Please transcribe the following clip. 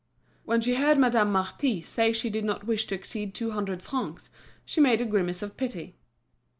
When she heard Madame Marty say she did not wish to exceed two hundred francs, she made a grimace of pity.